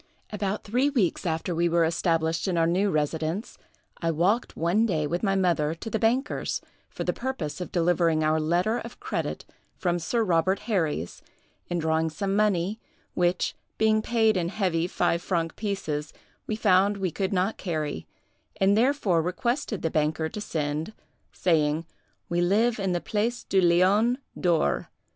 "About three weeks after we were established in our new residence, I walked one day with my mother to the bankers, for the purpose of delivering our letter of credit from Sir Robert Herries, and drawing some money, which, being paid in heavy five franc pieces, we found we could not carry, and therefore requested the banker to send, saying, 'We live in the Place du Lion D'or.